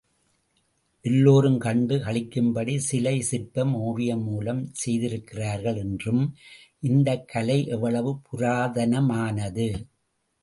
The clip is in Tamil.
எல்லோரும் கண்டு களிக்கும்படி சிலை, சிற்பம், ஓவியம் மூலம் செய்திருக்கிறார்கள் என்றும், இந்தக் கலை எவ்வளவு புராதனமானது.